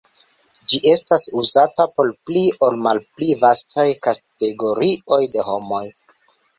Ĝi estas uzata por pli aŭ malpli vastaj kategorioj de homoj.